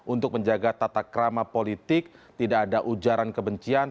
untuk menjaga tata krama politik tidak ada ujaran kebencian